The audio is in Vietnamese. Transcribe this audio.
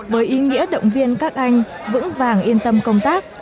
với ý nghĩa động viên các anh vững vàng yên tâm công tác